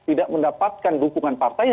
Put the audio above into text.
tidak mendapatkan dukungan partai